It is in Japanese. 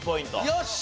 よし！